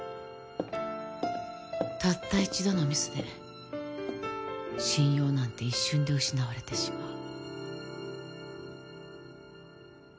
たった一度のミスで信用なんて一瞬で失われてしまう。